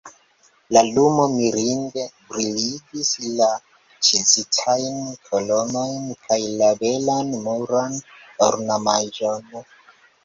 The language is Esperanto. La lumo mirinde briligis la ĉizitajn kolonojn kaj la belan muran ornamaĵon.